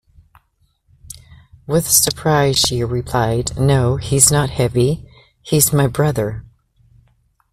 With surprise she replied, No, he's not heavy; he's my brother.